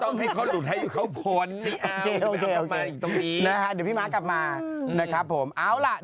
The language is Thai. ต้องให้ต้องให้เขาหลุดให้เขาควรนะ